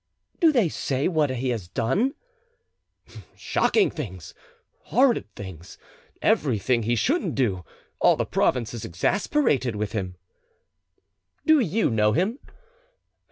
"Do they say what he has done?" "Shocking things; horrid things; everything he shouldn't do. All the province is exasperated with him." "Do you know him?"